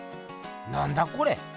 なんだこれ？